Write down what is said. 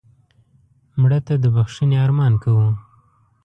مړه ته د بښنې ارمان کوو